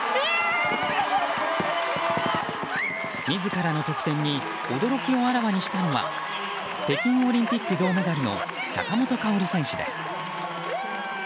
自らの得点に驚きをあらわにしたのは北京オリンピック銅メダルの坂本花織選手です。